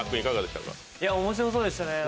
面白そうでしたね